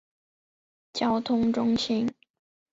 交通中心。